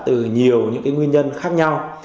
từ nhiều những cái nguyên nhân khác nhau